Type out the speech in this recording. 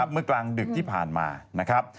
เมื่อกลางดึกที่ผ่านมานะครับ